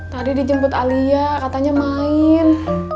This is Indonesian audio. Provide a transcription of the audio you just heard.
tadi dijemput alia katanya main